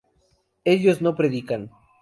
ellos no predican